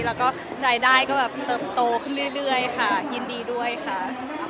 แล้วก็รายได้ก็แบบเติบโตขึ้นเรื่อยค่ะยินดีด้วยค่ะ